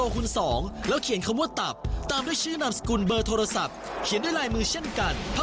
คุณประวิทย์เพ็งคับปั้งจากจังหวัดสกลนคร